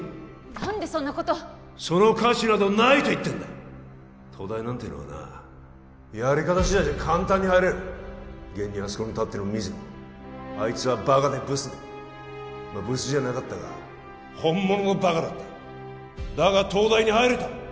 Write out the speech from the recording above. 何でそんなことその価値などないと言ってんだ東大なんてのはなやり方次第じゃ簡単に入れる現にあそこに立ってる水野あいつはバカでブスでまあブスじゃなかったが本物のバカだっただが東大に入れた！